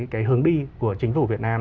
cái hướng đi của chính phủ việt nam